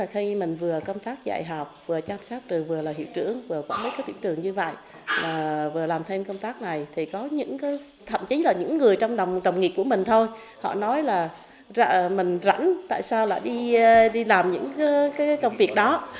khi mình vừa công tác dạy học vừa chăm sóc rồi vừa là hiệu trưởng vừa có mấy cái tuyển trường như vậy vừa làm thêm công tác này thì có những thậm chí là những người trong đồng nghiệp của mình thôi họ nói là mình rảnh tại sao lại đi làm những cái công việc đó